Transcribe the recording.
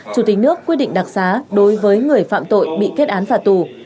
chủ tịch nước quyết định đặc giá đối với người phạm tội bị kết án phạt tù